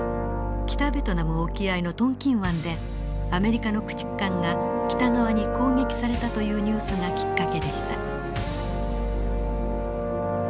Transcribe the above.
北ベトナム沖合のトンキン湾でアメリカの駆逐艦が北側に攻撃されたというニュースがきっかけでした。